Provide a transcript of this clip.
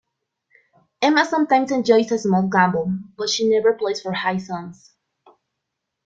Emma sometimes enjoys a small gamble, but she never plays for high sums